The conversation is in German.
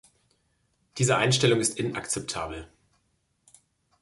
Diese Einstellung ist inakzeptabel.